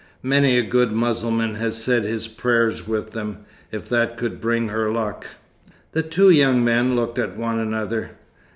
Many a good Mussulman has said his prayers with them, if that could bring her luck." The two young men looked at one another.